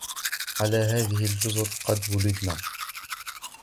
على هذه الجزر قد ولدنا،